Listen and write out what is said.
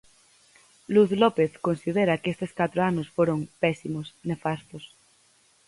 Luz López considera que estes catro anos foron "pésimos, nefastos".